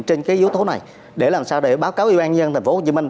trên cái yếu tố này để làm sao để báo cáo yên an dân thành phố hồ chí minh